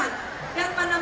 tanpa terhalang keterbatasan